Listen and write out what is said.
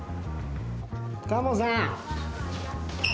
カモさん。